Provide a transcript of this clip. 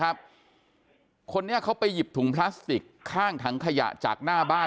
คนนี้เขาไปหยิบถุงพลาสติกข้างถังขยะจากหน้าบ้าน